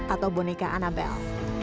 atau bonika annabel